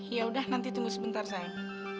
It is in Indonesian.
ya udah nanti tunggu sebentar saya